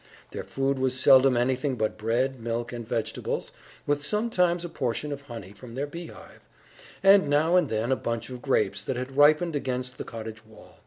Their food was seldom anything but bread, milk, and vegetables, with sometimes a portion of honey from their beehive, and now and then a bunch of grapes that had ripened against the cottage wall.